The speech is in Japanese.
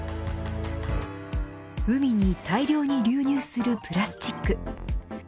海に大量に流入するプラスチック。